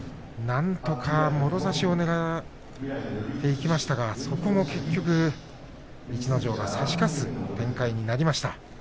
なんとかもろ差しをねらっていきましたがそこも結局、逸ノ城が差し勝つ展開になりました。